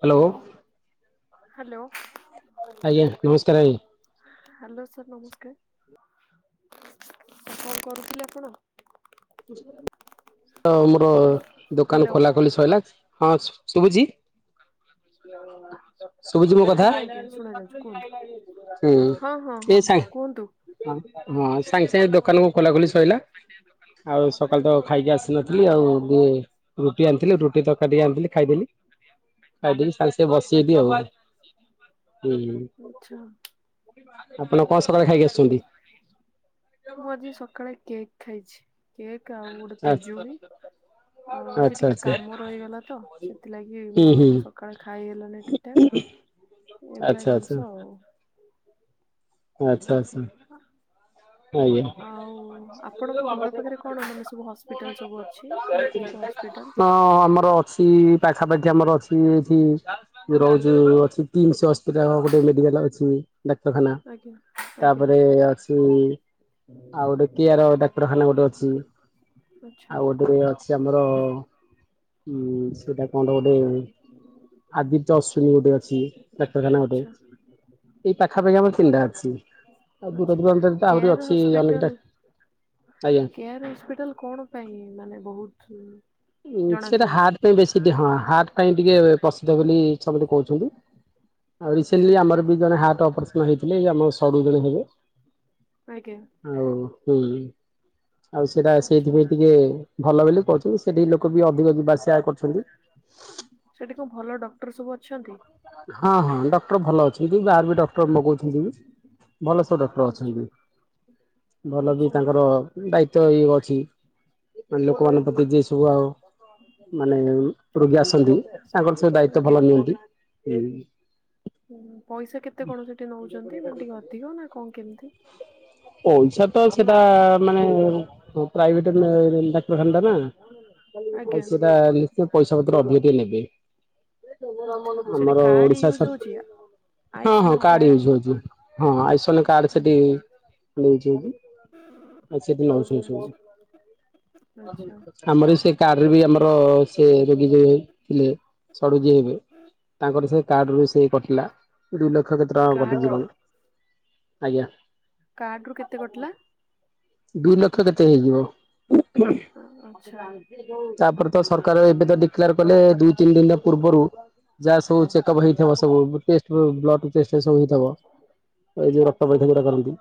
Hello. Hello. ଆଜ୍ଞା ନମସ୍କାର ଆଜ୍ଞା। ହାଲୋ ସାର୍ ନମସ୍କାର କଣ କରୁଥିଲେ ଆପଣ? ତ ମୋର ଦୋକାନ ହ୍ୟାଲୋ ଖୋଲା ଖୋଲି ସଇଲା ହଁ। ଶୁଭୁଚି ଶୁଭୁଚି ମୋ କଥା। ଆଜ୍ଞା ଆଜ୍ଞା ଶୁଣାଯାଉଛି କୁହନ୍ତୁ ହୁଁ ହଁ ହଁ ହଁ ଏ କୁହନ୍ତୁ। ସାଂଗେ ହଁ ସାଙ୍ଗେ ସେ ଦୋକାନକୁ ଖୋଲା ଖୋଲି ସଇଲା। [inaudible] ଆଉ ସକାଳୁ ତ ଖାଇକି ଆସିନଥିଲି ଆଉ ରୁଟି ଆଣିଥିଲି ରୁଟି ତରକାରି ଆଣିଥିଲି ଖାଇଦେଲି। ଖାଇ ଦେଇ ସାଙ୍ଗେ ସାଙ୍ଗେ ବସିବି ଆଉ। ହୁଁ ଆଛା। ଆପଣ କଣ ସକାଳେ ଖାଇକି ଆସୁଛନ୍ତି? ମୁଁ ଆଜି ସକାଳେ କେକ୍ ଖାଇଛି କେକ୍ ଆଉ ଗୋଟେ ଆଚ୍ଛା ପିଜୁଳି। ଆଉ ଆଜି ଆଚ୍ଛା ଟିକେ ଆଚ୍ଛା କାମ ରହିଗଲା ତ ସେଥିଲାଗି ହୁଁ ମୁଁ ଆଉ ସକାଳେ ଖାଇ ହେଲାନି ଠିକଠାକ୍। ହୁଁ ଏଇଭଳିଆ ଆଚ୍ଛା ଆଚ୍ଛା ଜିନିଷ ଆଉ। ଆଚ୍ଛା ଆଛା। ହଁ। ଆଉ ଆପଣଙ୍କ ଘର ପାଖରେ କଣ ମାନେ ସବୁ ହସ୍ପିଟାଲ ସବୁ ଅଛି ମାନେ କୋଉ କୋଉ ହସ୍ପିଟାଲ? ହଁ ଆମର ଅଛି ପାଖାପାଖି ଆମର ଅଛି ଏଠି। ରହୁଛି ଅ କିମସି ହସ୍ପିଟାଲ ଗୋଟେ ମେଡିକାଲ ଅଛି। ଡାକ୍ତରଖାନା ଆଜ୍ଞା ଆଜ୍ଞା ତାପରେ ଅସି ଆଉ ଗୋଟେ କେଆର ଡାକ୍ତରଖାନା ଗୋଟେ ଅଛି ଆଚ୍ଛା ଆଉ ଗୋଟେ ଅଛ ଯେ ଆମର ଉଁ ସେଟା କଣ ଗୋଟେ। ଆଦିତ୍ୟ ଅଶ୍ୱିନୀ ଗୋଟେ ଅଛି ଡାକ୍ତରଖାନା ଗୋଟେ। ଆଚ୍ଛା ଏଇ ପାଖାପାଖି ଆମର ତିନିଟା ଅଛି ଆଉ ଆଚ୍ଛା [unintelligible] ଆହୁରି କେୟାର ଅଛି ଅନେକଟା ହସ୍ପିଟାଲ ଆଜ୍ଞା। କେୟାର ହସ୍ପିଟାଲ କଣ ପାଇଁ ମାନେ ବହୁତ ସେଟା ଜଣାଶୁଣା? ହାର୍ଟ ପାଇଁ ବେଶୀ ଟ ହଁ ହାର୍ଟ ପାଇଁ ଟିକେ ପ୍ରସିଦ୍ଧ ବୋଲି ସମସ୍ତେ କହୁଛନ୍ତି। ଆଉ ଆଚ୍ଛା ରିସେଣ୍ଟଲି ଆମର ବି ଜଣେ ହାର୍ଟ ଅପରେସନ ହେଇଥିଲେ ଆମର ସଡୁ ଜଣେ ହେବେ। ଆଜ୍ଞା। ଆଉ ହୁଁ ଆଉ ସେଟା ଆଚ୍ଛା ସେଇଥିପାଇଁ ଟିକେ ଭଲ ବୋଲି କହୁଛନ୍ତି। ସେଠି ଲୋକ ବି ଅଧିକ ଯିବା ସେୟା କରୁଛନ୍ତି। ସେଠି କଣ ଭଲ ଡକ୍ଟର ସବୁ ଅଛନ୍ତି? ହଁ ହଁ ଡକ୍ଟର ଭଲ ଅଛନ୍ତି ବାହାରୁ ବି ଡକ୍ଟର ମଗଉଛନ୍ତି ବି। ଭଲସେ ଡକ୍ଟର ଆଚ୍ଛା ଅଛନ୍ତି ଭଲ ବି ଆଚ୍ଛା ତାଙ୍କର ଦାୟିତ୍ଵ ଇଏ ଅଛି ମାନେ ଲୋକମାନଙ୍କ ପ୍ରତି ଯିଏ ସବୁ ଆଉ ମାନେ ଉଁ। ରୋଗୀ ଆସନ୍ତି ତାଙ୍କର ସବୁ ଦାୟିତ୍ବ ଆଜ୍ଞା। ଭଲ ନିଅନ୍ତି ଉଁ। ହୁଁ ପଇସା କେତେ କଣ ସେଠି ନଉଛନ୍ତି ମାନେ ଟିକେ ଅଧିକ ନା କଁ କେମିତି? ପଇସା ତ ସେଟା ମାନେ ହଁ ପ୍ରାଇଭେଟ୍ ଡାକ୍ତରଖାନା ଟା ନା। ଆଉ ଆଜ୍ଞା ସେଇଟା ନିଶ୍ଚୟ ପଇସା ପତ୍ର ଅଧିକ ଟିକେ ନେବେ। ଆଚ୍ଛା ସେଠି ଆମର କାର୍ଡ ଓଡିଶା ୟୁଜ ହଉଛି ସର ହଁ ହଁ କାର୍ଡ ୟୁଜ ହଉଚି ହଁ ଆୟୁଷ୍ମାନ କାର୍ଡ ସେଟି। ମାନେ ୟୁଜ୍ ହଉଚି ଆଉ ସେଠି ନଉଛନ୍ତି ସବୁ। ଆଚ୍ଛା ଆଚ୍ଛା। ଆମର ବି ସେଇ କାର୍ଡ ରେ ବି ଆମର ସେ ରୋଗୀ ଯିଏ ଥିଲେ ସଢୁ ଯିଏ ହେବେ। ତାଙ୍କର ସେ କାର୍ଡ ରୁ ସେଇ କଟିଲା ଦୁଇ ଲକ୍ଷ କେତେ ଟଙ୍କା କାର୍ଡ ରୁ କଟିଯିବନି ଆଜ୍ଞା। କାର୍ଡ ରୁ କେତେ କଟିଲା। ଦୁଇ ଲକ୍ଷ କେତେ ହେଇଯିବ। ଆ- ଆଚ୍ଛା ତାପରେ ତ ସରକାର ଏବେ ତ ଡିକ୍ଲାର୍ କଲେ ଦୁଇ ତିନି ଦିନି ର ପୂର୍ବରୁ। ଯା ସବୁ ଚେକ୍ଅପ୍ ହେଇଥିବ ସବୁ ଟେଷ୍ଟ ବ୍ଲ ବ୍ଲଡ଼୍ ଟେଷ୍ଟ ପେଷ୍ଟ ସବୁ ହେଇଥିବ ଏ ଯୋଉ ର କ୍ତ ପରୀକ୍ଷା ଯୋଉଟା କରନ୍ତି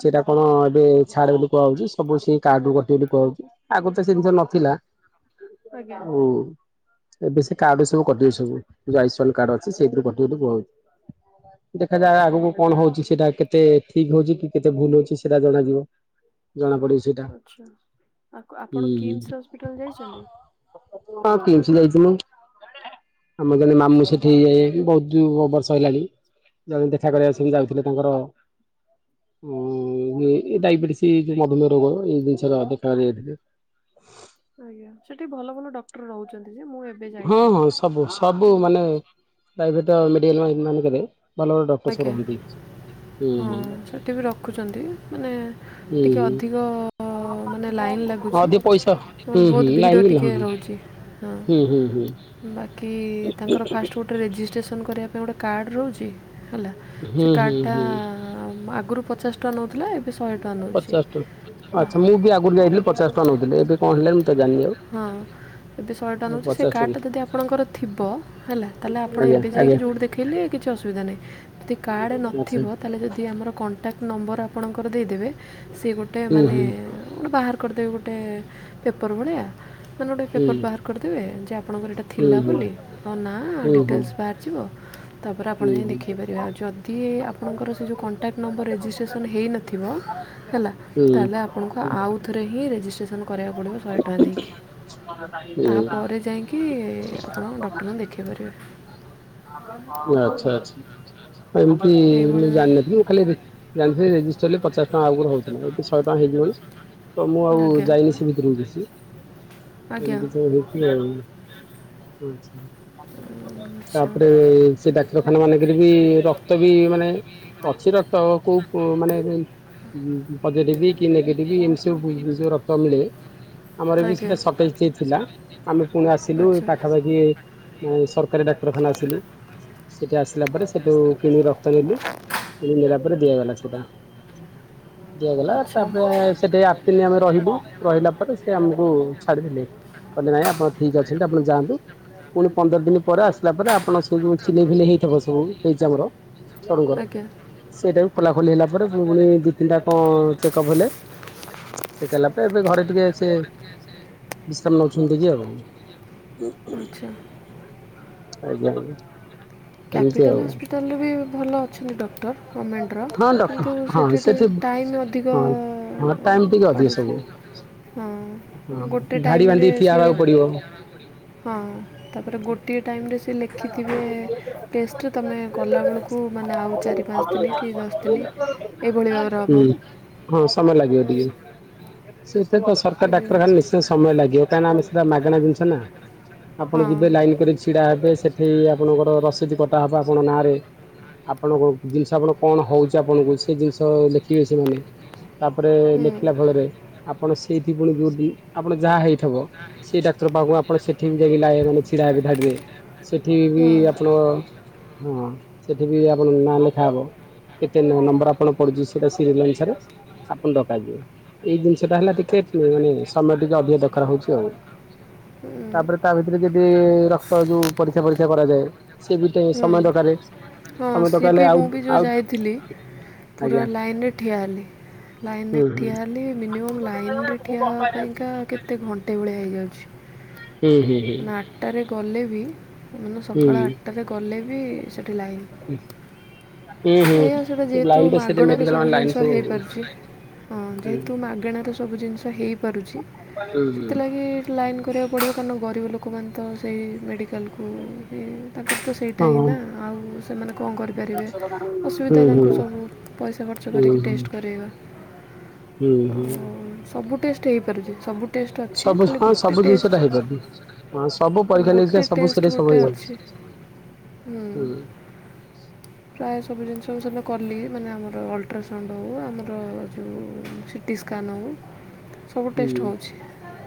ସେଇଟା କଣ ଏବେ। ଛାଡ୍ ବୋଲି କୁହାଯାଉଛି ସବୁ ସେଇ କାର୍ଡ ରୁ କଟିବ ବୋଲି କୁହାଯାଉଛି ଆଗରୁ ତ ସେ ଜିନିଷ ନଥିଲା। ଆଜ୍ଞା ଆଉ ଏବେ ସେ। କାର୍ଡରୁ ସବୁ କଟିବ ସବୁ ଏ ଯୋଉ ଆୟୁଷ୍ମାନ କାର୍ଡ ଅଛି ସେଇଥିରୁ କଟିବ ବୋଲି କୁହାଯାଉଛି। ଦେଖାଯାଉ ଆଚ୍ଛା ଆଗକୁ କଣ ହଉଛି ସେଟା କେତେ ଠିକ୍ ହଉଛି କି କେତେ ଭୁଲ୍ ହଉଛି ସେଟା ଜଣାଯିବ। ଜଣା ପଡିବ ସେ ଆଚ୍ଛା, ଆକୁ ଆପଣ କିମ୍ସ୍ ହସ୍ପିଟାଲ ଯାଇଛନ୍ତି। ହଁ କିମ୍ସ୍ ଯାଇଛି ମୁଁ। ଆମର ଜଣେ ମାମୁଁ ଆଚ୍ଛା ସେଠି ଇଏ ବହୁତ ବର୍ଷ ହେଲାଣି। ଜଣେ ଦେଖା କରିବାକୁ ସେ ଯାଉଥିଲେ ତାଙ୍କର ଉଁ ଏ ଇଏ ଡାଇବେଟିସ୍। ଏଇ ଯୋଉ ମଧୁମେୟ ରୋଗ ଏଇ ଜିନିଷ ର ଦେଖା କରିବାକୁ ଯାଇଥିଲେ। ଆଜ୍ଞା ସେଠି ଭଲ ଭଲ ଡକ୍ଟର ରହୁଛନ୍ତି ଯେ ମୁଁ ଏବେ ହଁ ଯାଇଥିଲି, ହଁ ସବୁ ସବୁ ହୁଁ। ମାନେ ପ୍ରାଇଭେଟ ମେଡିିକାଲ ମା ମାନଙ୍କରେ ଭଲ ଭଲ ଡାକ୍ଟର ସବୁ ଆଜ୍ଞା ରହନ୍ତି। ହୁଁ ହଁ ହୁଁ ସେଠି ବି ରଖୁଛନ୍ତି ମାନେ ହୁଁ ଟିକେ ହୁଁ ଅଧିକ। ଅ ମାନେ ଲାଇନ୍ ହଁ ଲାଗୁଛି ଅଧିକ ପଇସା ହୁଁ ନହେଲେ ହୁଁ ବହୁତ ଲାଇନ ଭିଡ଼ ବି ଟିକେ ରହୁଛି। ହଁ। ହୁଁ, ହୁଁ, ହୁଁ। ବାକି ତାଙ୍କର ଫାଷ୍ଟ୍ ଗୋଟେ ରେଜିଷ୍ଟ୍ରେସନ୍ କରିବା ପାଇଁ ଗୋଟେ କାର୍ଡ଼ ରହୁଛି ହେଲା। ସେ ହୁଁ ହୁଁ କାର୍ଡଟା ହୁଁ ଆଁ ଆଗରୁ ପଚାଶ ଟ ପଚାଶ ଟଙ୍କା ଆଚ୍ଛା ମୁଁ ବି ଆଗରୁ ଯାଇଥିଲି ପଚାଶ ଟଙ୍କା ନଉଥିଲି ଏବେ। କଣ ହେଲାଣି ମୁଁ ତ ଜାଣିନି ଆଉ। ହଁ। ଏବେ ଶହେ ଟଙ୍କା ଆଉ ନଉଛି ସେ ପଚାଶ କାର୍ଡଟା ଟଙ୍କା ଯଦି ଆପଣଙ୍କର ଥିବ ହେଲା ତାହେଲେ ଆପଣ ଆଜ୍ଞା ଏବେ ଯାଇକି ଆଜ୍ଞା ଯୋଉଠି ଦେ ଖେଇଲେ କିଛି ଅସୁବିଧା ନାହିଁ। ଯଦି କାର୍ଡ଼ ଆଚ୍ଛା ନଥିବ ତାହାଲେ ଯଦି ଆମର କଣ୍ଟାକ୍ଟ ନମ୍ବର ଆପଣଙ୍କର ଦେଇଦେବେ ସିଏ ଗୋଟେ। ଗୋଟେ ହୁଁ ମାନେ ହୁଁ ଗୋଟେ ବାହାର କରିଦେବେ ଗୋଟେ ପେପର୍ ଭଳିଆ। ମାନେ ଗୋଟେ ପେପର୍ ବାହାର କରିଦେବେ ଯେ ଆପଣଙ୍କର ଏଇଟା ଥିଲା ବୋଲି ତମ ନା ଡିଟେଲ୍ସ୍ ବାହାରି। ଯିବ ତାପରେ ଆପଣ ଯାଇକି ଦେ ଖେଇ ପାରିବେ ଆଉ ଯଦି ଆପଣଙ୍କର ସେ ଯୋଉ କଣ୍ଟାକ୍ଟ ନମ୍ବର ରେଜିଷ୍ଟ୍ରେସନ୍ ହୋଇ ଇନଥିବ ହେଲା। ତାହାଲେ ଆପଣଙ୍କୁ ଆଉଥରେ ହିଁ ରେଜିଷ୍ଟ୍ରେସନ୍ କରିବାକୁ ପଡ଼ିବ। ଶହେ ଟଙ୍କା ଦେଇକି ତାପରେ ଯାଇଁ କି ଆପଣ ଡକ୍ଟରଙ୍କୁ ଦେଖେଇ ପାରିବେ। ଆଚ୍ଛା ଆଚ୍ଛା ଏମିତି ଏଇଭଳି ମୁଁ ଭାବେ ଜାଣିନଥିଲି। ଖାଲି ରେ ଜାଣିଥିଲି ରେଜିଷ୍ଟର ହେଲେ ପଚାଶ ଟଙ୍କା ଆଗରୁ ହଉଥିଲା ଏବେ ଶହେ ଟଙ୍କା ହେଇଯିବଣି। ତ ମୁଁ ଆଉ ଆଜ୍ଞା ଯାଇନି ସେ ଭିତରକୁ କିଛି, ଆଜ୍ଞା ଏମିତି ତାପରେ ସେ ଡାକ୍ତରଖାନା ମାନଙ୍କରେବି ରକ୍ତବି ମାନେ ଅଛି ରକ୍ତ ତ କୋଉମାନେ ପଜଟିଭି କି ନେଗେଟିଭି ଏମିତିସବୁ ଯୋଉ ରକ୍ତମିଳେ ଆଚ୍ଛା ଆମରବି ଆଜ୍ଞା ସେଟା ସଟେଜ ଥିଲା ଆମେ ପୁଣି ଆଚ୍ଛା ଆସିଲୁ ପାଖାପାଖି ମାନ ସରକାରୀ ଡାକ୍ତରଖାନା ଆସିଲୁ ସେଠି ଆସିଲା ପରେ ସେଠୁ କିଣି ରକ୍ତ ନେଲୁ କିଣିକି ନେଲା ପରେ ଦିଆଗଲା ସେଟା ଦିଆଗଲା ଆଚ୍ଛା ତାପରେ ସେଠି ଆଠଦିନ ଆମେ ରହିବୁ। କହିଲା ପରେ ସେ ଆମକୁ ଛାଡିଦେଲେ, କହିଲେ ନାଇଁ ଆପଣ ଠିକ ଅଛନ୍ତି ଆପଣ ଯାଆନ୍ତୁ। ପୁଣି ପନ୍ଦର ଦିନ ପରେ ଆସିଲା ପରେ ଆପଣ ସି ଯଉ ସିଲେଇ ଫିଲେଇ ହେଇଥିବ ସବୁ ହେଇଛି ଆମର ଜଣଙ୍କର ଆଜ୍ଞା ସେଇଟାବି ଖୋଲା ଖୋଲି ହେଲା ପରେ ପୁଣି ଦି ତିନିଟା କଣ ଚେକ ଅପ ହେଲେ ଚେକ ହେଲା ପରେ ଏବେ ଘରେ ଟିକେ ସେ ବିଶ୍ରାମ ନେଉଛନ୍ତିକି ଆଉ ଆଚ୍ଛା। ଆଜ୍ଞା। ଏମିତି କ୍ୟାପିଟାଲ ଆଉ ହସ୍ପିଟାଲରେବି ଭଲ ଅଛନ୍ତି ଡକ୍ଟର ଗମେଣ୍ଟର ହଁ ଡକ୍ଟର କିନ୍ତୁ ହଁ ସେଠି ଟିକଏ ଟାଇମ ଅଧିକ ହଁ ହଁ ଟାଇମ ଟିକେ ଅଧିକ ସବୁ ପଡୁଛି ହଁ ହଁ ଗୋଟେ ଧାଡି ଟାଇମରେ ବାନ୍ଧିକି ଠିଆ ସିଏ ହେବାକୁ ପଡିବ ହଁ ତାପରେ ଗୋଟିଏ ଟାଇମରେ ସେ ଲେଖିଥିବେ ତେଷ୍ଟ ତୁମେ କଲାବେେଳକୁ ମାନେ ଆଉ ଚାରି ପାଞ୍ଚ ଦିନକି ଦଶ ଦିନ ଏଭଳି ଭାବରେ ହୁଁ ହେବ ହଁ ସମୟ ଲାଗିବ ଟିକେ। ସରକାର ସେଇ ଯୋଉ ଡାକ୍ତରଖାନା ନିଶ୍ଚୟ ସମୟ ଲାଗିବ କାହିଁକି ଆମ ସେଟା ମାଗଣା ଜିନିଷନା। ଆପଣ ହଁ। ଯିବେ ଲାଇନ କରି ଛିଡାହେବେ ସେଠି ଆପଣଙ୍କର ରସିଦ କଟା ହବ ଆପଣଙ୍କ ନାଁରେ ଆପଣଙ୍କ ଜିନିଷ ଆପଣ କଣ ହଉଛି ଆପଣଙ୍କୁ ସେ ଜିନିଷ ଦେଖିବେ ସେ ତାପରେ ଲେଖିଲା ଫଳରେ ଆପଣ ସେଇଥି ପୁଣି ଯୋଉଠି ଆପଣ ଯାହା ହେଇଥିବ ସେଇ ଡାକ୍ତର ପାଖ ଆପଣ ସେଠିବି ଯାଇକି ମାନେ ଛିଡା ହେବେ ଧାଡିବେ ସେଠିବି ହୁଁ। ହୁଁ। ଆପଣ ହଁ ସେଠିବି ଆପଣ ନାଁ ଲେଖା ହବ କେତେ ନମ୍ବର ଆପଣ ପଡୁଛି ସେଟା ସିରିଏଲ ଅନୁସାରେ ଆପଣ ଡକାଯିବ ଏଇ ଜିନିଷଟା ହେଲା ଟିକେ ମାନେ ସମୟ ଟିକେ ଅଧିକା ଦରକାର ହଉଛି ଆଉ ତାପରେ ତାଭିତରେ ଯଦି ରକ୍ତ ଯୋଉ ପରୀକ୍ଷା ପରୀକ୍ଷା କରାଯାଏ ସେ ବିଟେ ହୁଁ ସମୟ ଦରକାର ହଁ ସମୟ ହେଲେ ସିଏବି ଆଉ ମୁଁ ବି ଯୋଉ ଆଉ ଯାଇଥିଲି ପୁରା ଆଜ୍ଞା ଲାଇନରେ ଠିଆ ହେଲି। ହୁଁ ଲାଇନରେ ହୁଁ ଠିଆ ହେଲି ମିନିମ ଲାଇନରେ ଠିଆ ହେବା ପାଇଁକା କେତେ ଘଣ୍ଟା ଏଭଳିଆ ହେଇଯାଉଛି। ହୁଁ ହୁଁ ହୁଁ। ମାନେ ଆଠଟାରେ ଗଲେବି ମାନେ ହୁଁ ସକାଳ ଆଠଟାରେ ଗଲେବି ସେଠି ଲାଇନ ହୁଁ। ଏଇଆସେଟା ହୁଁ। ଯେହେତୁ ଲାଇନ ତ ସେଠି ମାଗଣାରେ ମେଡିକାଲ ସବୁ ମାନେ ଲାଇନ ଜିନିଷ ହେଇପାରୁଛି ହଁ ହୁଁ ଯେହେତୁ ମାଗଣାର ସବୁ ଜିନିଷ ହେଇପାରୁଛି ହୁଁ ହୁଁ। ସେଥିଲାଗି ଲାଇନ କରିବାକୁ ପଡ଼ିବ କାରଣ ଗରିବ ଲୋକମାନେତ ସେଇ ମେଡ଼ିକାଲକୁ ବି ତାଙ୍କରତ ସେଇଟା ହଁ ହୁଁ ହିଁନା ଆଉ। ଆଉ କଣ କରିପାରିବେ? ଅସୁବିଧା ହୁଁ ତାଙ୍କୁ ସବୁ ପଇସା ଖର୍ଚ୍ଚ ହୁଁ ହୁଁ କରିକି ଟେଷ୍ଟ କରେଇବା। ହୁଁ, ହୁଁ। ଉଁ, ସବୁ ଟେଷ୍ଟ ହେଇପାରୁଛି, ସବୁ ଟେଷ୍ଟ ଅଛି, ସବୁ ଖାଲି ହଁ ଗୋଟେ ସବୁ ଜିନିଷ ଟେଷ୍ଟ ଟା ହେଇପାରୁନି ହଁ ସବୁ ଅଁ, ପରୀକ୍ଷା ନିରୀକ୍ଷା ଗୋଟେ ସବୁ ସେଠି ଟେଷ୍ଟ ସବୁ ଗୋଟେ ହେଇଯାଉଛି। ଅଛି ହୁଁ,। ପ୍ରାୟ ସବୁ ଜିନିଷ ମୁଁ ସେଦିନ କଲି, ମାନେ ଆମର ଅଲଟ୍ରାସାଉଣ୍ଡ ହଉ, ଆମର ଯୋଉ [inaudible] ଟିସ୍କାନଉ ସବୁ ହୁଁ ଟେଷ୍ଟ ହଉଛି।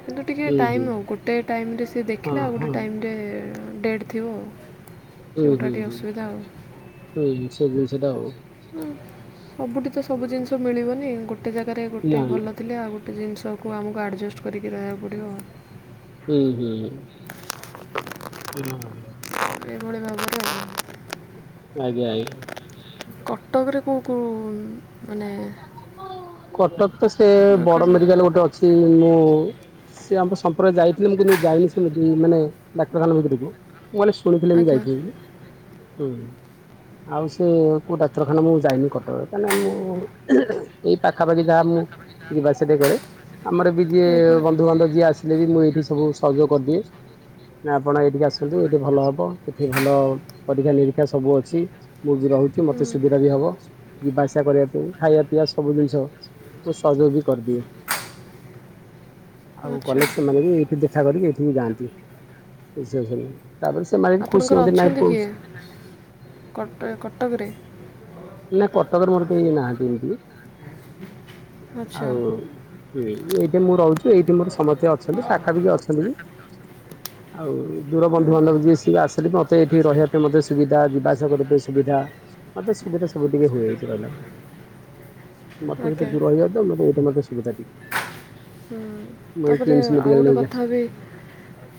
କିନ୍ତୁ ଟିକେ ହୁଁ ହୁଁ ଟାଇମ୍ ନଉ ଆଉ ଗୋଟେ ଟାଇମୂ ରେ ସିଏ ଦେଖିଲା, ଆଉ ହଁ ଗୋଟେ ହଁ। ଟାଇମ୍ ରେ ଅଁ, ଡେଟ୍ ଥିବ। [inaudible] ସେଗୁଟା ଟିକେ ଅସୁବିଧା ଆଉ ସେଦିନ ସେଟା ହଉ। ହୁଁ, ସବୁଠି ତ ସବୁ ଜିନିଷ ମିଳିବନି, ଗୋଟେ ଜାଗାରେ ନା ଗୋଟେ ନା ଭଲ ଥିଲେ ଆଉ ଗୋଟେ ଜିନିଷକୁ ଆମକୁ ଆଡ଼ଜଷ୍ଟ କରିକି ରହିବାକୁ ପଡ଼ିବ। ହୁଁ, ହୁଁ। [unintelligible] ଏଭଳି ଭାବ ଆଜ୍ଞା, ଆଜ୍ଞା। କଟକରେ କୋଉ କୋଉ ମାନେ କଟକ ତ ସେ ବଡ଼ ମେଡିକାଲ୍ ଗୋଟେ ଅଛି ମୁଁ ସେ ଆମ ସମ୍ପର୍କ ଯାଇଥିଲେ ମୁଁ କିନ୍ତୁ ଯାଇନି ସେମିତି ମାନେ ଡାକ୍ତରଖାନା ଭିତରକୁ, ମାନେ ଶୁଣି ଥିଲେ ମୁଁ ଆଜ୍ଞା ଯାଇଥାନ୍ତି ଯେ। ହଁ, ଆଉ ସେ କୋଉ ଡାକ୍ତରଖାନା ମୁଁ ଯାଇନି କଟକ କାହିଁ ନା ମୁଁ ଏଇ ପାଖାପାଖି ଯାହା ମୁଁ ଯିବା ଆସିଵା ଟିକେ କରେ, ଆମର ବି ଯିଏ ଆଜ୍ଞା ବନ୍ଧୁବାନ୍ଧବ ଯିଏ ଆସ ଥିଲେ ବି ମୁଁ ଏଇଠି ସବୁ ସହଯୋଗ କରିଦିଏ। ନା ଆପଣ ଏଇଠିକି ଆସନ୍ତୁ, ଏଇଠି ଭଲ ହବ, ଏଠି ଭଲ ପରୀକ୍ଷା ନିରୀକ୍ଷା ସବୁ ଅଛି। ମୁଁ ବି ରହୁଛି ହୁଁ ମୋତେ ସୁବିଦା ବି ହବ ଯିବା ଆସିବା କରିବାପାଇଁ। ଖାଇବା ପିଇଆ ସବୁ ଦିନିଷ ମୁଁ ସହଯୋଗ ବି କରିଦିଏ। ଆଉ ଆଚ୍ଛା କଲେ ସେମାନେ ବି ଏଇଠି ଦେଖା କରିକି ଏଠିକି ଯାଆନ୍ତି। ରିସେପସନ୍ ତାପରେ ସେମାନେ ବି ଖୁସି ଆପଣଙ୍କର ହୁଅନ୍ତି ନାହିଁ ଅଛନ୍ତି ପୁଅ କିଏ କଟ ଏ କଟକରେ? ନା କଟକରେ ମୋର କେଇ ନାହାନ୍ତି ଏମିତି, ଆଚ୍ଛା ଆଉ ହୁଁ, ମୁଁ ଏଇଠି ମୁଁ ରହୁଛି, ଏଇଠି ମୋର ସମସ୍ତେ ଅଛନ୍ତି, ପାଖାପାଖି ଅଛନ୍ତି ବି। [inaudible] ଆଉ ଦୂର ହଁ, ବନ୍ଧୁ ବାନ୍ଧବ ଯିଏ ସିଏ ଆସିଲେ ମୋତେ ଏଠି ରହିବା ପାଇଁ ମୋତେ ସୁବିଦା, ଯିବାଆସିବା କରିତେ ସୁବିଧା। ମୋତେ ସୁବିଧା ସବୁ ଟିକେ ହୁଏ ଏଇଠି ରହିଲା କୁ, ମୋତେ ବି ତ ଆଜ୍ଞା ଦୂର ହେଇଯାଉ ନା ଏମିତି ମୋତେ ମଧ୍ଯ ସୁବିଧା ଟିକେ। ହୁଁ, ମୁଁ ଏଇ ତାପରେ କିମ୍ସ ଆଉ ମେଡିକାଲ ଗୋଟେ ନେଇଯାଏ କଥା ବି,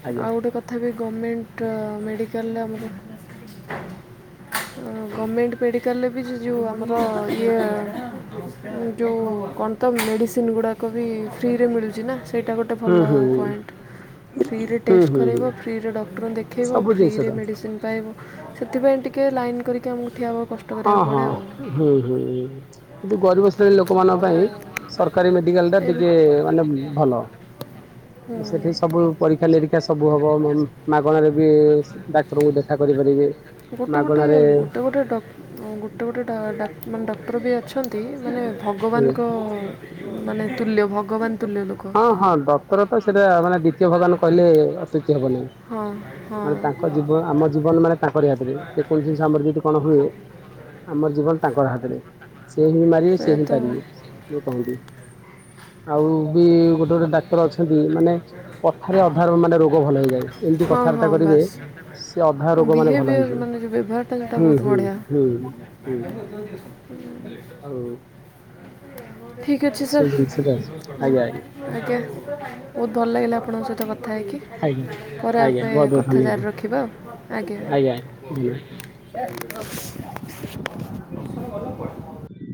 ଆଜ୍ଞା ଆଉ ଗୋଟେ କ ଥା ବି ଗମେଣ୍ଟ ଅ, ମେଡ଼ିକାଲ୍ ରେ ଆମର [inaudible] ଅଁ, ଗମେଣ୍ଟ ମେଡିକାଲ୍ ରେ ବି ଯୋ ଯୋଉ ଆମର ଇଏ ଏ ଯୋଉ କଣ ତ ମେଡ଼ିସିନ୍ ଗୁଡ଼ାକ ବି ଫ୍ରି ରେ ମିଳୁଚି ନା ସେଇଟା ଗୋଟେ ହୁଁ ଭଲ ହୁଁ ପଏଣ୍ଟ। ଫ୍ରି ରେ ହୁଁ ଟେଷ୍ଟ ହୁଁ କରେଇବ, ହୁଁ ଫ୍ରି ରେ ଡକ୍ଟର୍ ଦେଖେଇବ, ସବୁ ଫ୍ରି ଜିନିଷ ରେ ଟା ମେଡ଼ିସିନ୍ ପାଇବ। ସେଥିପାଇଁ ଟିକେ ଲାଇନ୍ କରିକି ଆମ ହଁ, ହଁ, ହୁଁ, ହୁଁଁ, ହୁଁ ଯୋଉ ଗରିବ ଶ୍ରେଣୀ ଲୋକମାନଙ୍କ ତ ପାଇଁ ସରକାରୀ ମେଡିକାଲ୍ ଟା ଏଇ ଟିକେ ମାନେ ଭଲ। ଆ, ସେଠି ହୁଁ ସବୁ ପରୀକ୍ଷା ନିରୀକ୍ଷା ସବୁ ହବ ମ ମାଗଣାରେ ବି ଡାକ୍ତରଙ୍କୁ ଦେଖା କରିପାରିବେ। ଗୋଟେ ଗୋଟେ ମାଗଣାରେ ଗୋଟେ ଗୋଟେ ଡକ୍ ଉଁ ଗୋଟେ ଗୋଟେ ଡା ଡ଼ାକ୍ ମାନେ ଡକ୍ କ୍ଟର ବି ଅଛନ୍ତି ମାନେ ଭଗବାନଙ୍କ ଆଜ୍ଞା ମାନେ ତୁଲ୍ୟ ଭଗବାନ ତୁଲ୍ୟ ଲୋକ ହଁ ହଁ ଡକ୍ଟର ତ ସେଇଟା ମାନେ ଦ୍ଵିତୀୟ ଭଗବାନ କହିଲେ ଅତ୍ୟୁ କ୍ତି ହବନି ହଁ ହଁ ମାନେ ତାଙ୍କ ଜୀବ ଆମ ଜୀବନ ମାନେ ତାଙ୍କରି ହାତରେ ସେ କୌଣସି ଜି ଆମର ଯଦି କଣ ହୁଏ ଆମର ଜୀବନ ତାଙ୍କ ହାତରେ। ସେ ହିଁ ମାରିବେ ସେ ସେଇଆ ହିଁ ତ ତାରିବେ। [unintelligible] କହନ୍ତି ଆଉ ବି ଗୋଟେ ଗୋଟେ ଡାକ୍ତର ଅଛନ୍ତି ମାନେ କଥାରେ ଅ ଥାରେ ମାନେ ରୋଗ ଭଲ ହେଇଯାଏ। ଏମିତି ହଁ ହଁ କଥାବାର୍ତ୍ତା କରିବେ ବାସ୍। ସେ ଅଧା ରୋଗ ମାନେ ଭଲ ବିହେଭିୟର ହେଇଯିବ। ମାନେ ଯେଉଁ ବ୍ୟବହାରଟା ସେଟା ବହୁତ ବଢ଼ିଆ। ହୁଁ ହୁଁ ଆଉ ଠିକ୍ ଅଛି ଏସବୁ ସାର୍। ହଁ ଜିନିଷଟା ଆଜ୍ଞା ଆଜ୍ଞା ବହୁତ ଭଲ ଲାଗିଲା ହଉ ଆପଣଙ୍କ ସହିତ କଥା ହେଇକି। ଆଜ୍ଞା କରିବା ଆଜ୍ଞା ପାଇଁ ବହୁତ ବହୁତ କଥା ଧନ୍ୟବାଦ ଜାରି ରଖିବା ଆଉ ଆଜ୍ଞା। ପ୍ରସନ୍ନ ଗଲା କୁଆଡେ?